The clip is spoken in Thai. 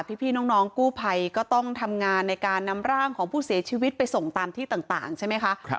พี่น้องกู้ภัยก็ต้องทำงานในการนำร่างของผู้เสียชีวิตไปส่งตามที่ต่างใช่ไหมคะ